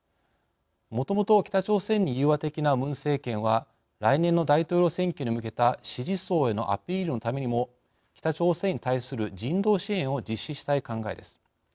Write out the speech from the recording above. もともと北朝鮮に融和的なムン政権は来年の大統領選挙に向けた支持層へのアピールのためにも北朝鮮に対する人道支援を実施したい考えです。